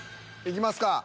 いきますか。